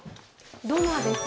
土間です。